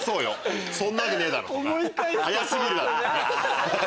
そんなわけねえだろ！とか早過ぎるだろ！とか。